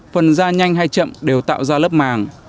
phần ra nhanh hay chậm đều tạo ra lớp màng